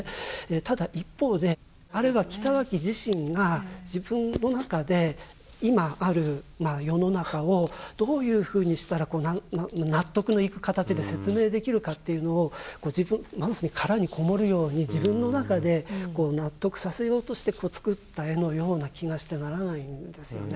ただ一方であれは北脇自身が自分の中で今ある世の中をどういうふうにしたら納得のいく形で説明できるかっていうのをまさに殻に籠もるように自分の中で納得させようとして作った絵のような気がしてならないんですよね。